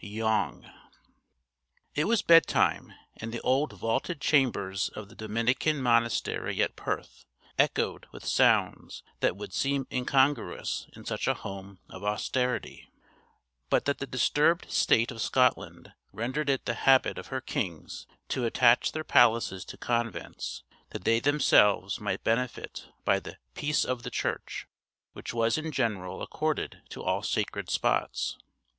Yonge It was bedtime, and the old vaulted chambers of the Dominican monastery at Perth echoed with sounds that would seem incongruous in such a home of austerity, but that the disturbed state of Scotland rendered it the habit of her kings to attach their palaces to convents, that they themselves might benefit by the "peace of the Church," which was in general accorded to all sacred spots.